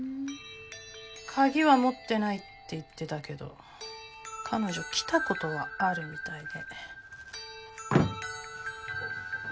鍵は持ってないって言ってたけど彼女来たことはあるみたいね。